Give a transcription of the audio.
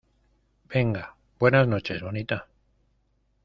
venga, buenas noches , bonita.